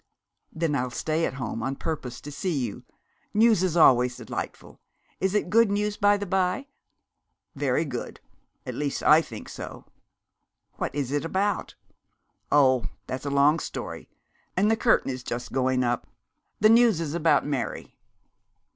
'Then I'll stay at home on purpose to see you. News is always delightful. Is it good news, by the bye?' 'Very good; at least, I think so.' 'What is it about?' 'Oh! that's a long story, and the curtain is just going up. The news is about Mary.'